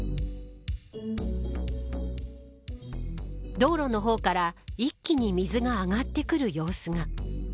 道路の方から一気に水が上がってくる様子が。